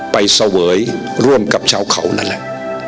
เสวยร่วมกับชาวเขานั่นแหละ